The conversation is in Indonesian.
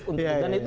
dan itu terlalu